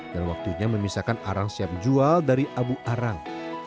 waktunya memisahkan arang siap jual dari abu arang